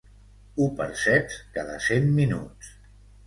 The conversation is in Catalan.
Ho perceps cada cent minuts.